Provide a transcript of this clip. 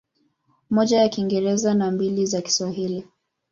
Moja ya Kiingereza na mbili za Kiswahili.